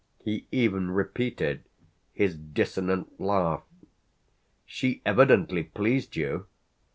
He even repeated his dissonant laugh. "She evidently pleased you!"